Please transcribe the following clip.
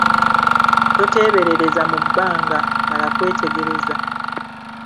Toteeberereza mu bbanga, mala kwetegereza.